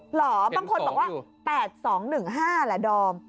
เหรอบางคนบอกว่า๘๒๑๕แหละดอม